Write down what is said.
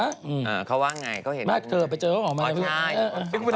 เขาว่าง่ายเขาเห็น